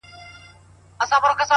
هوښیار انسان هره شېبه ارزوي،